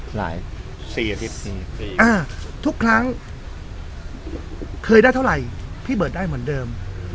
หลายสี่อาทิตย์อ่ะทุกครั้งเคยได้เท่าไรพี่เบิร์ดได้เหมือนเดิม